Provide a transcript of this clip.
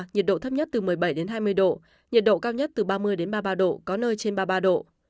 nhiệt độ thấp nhất từ một mươi bảy đến hai mươi độ nhiệt độ cao nhất từ ba mươi ba mươi ba độ có nơi trên ba mươi ba độ